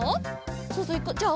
そうそうじゃああ